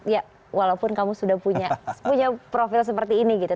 ya walaupun kamu sudah punya profil seperti ini gitu